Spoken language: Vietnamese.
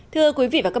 thưa quý vị và các bạn